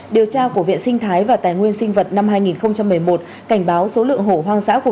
điều tra của viện sinh thái và tài nguyên sinh vật năm hai nghìn một mươi một cảnh báo số lượng hổ hoang dã của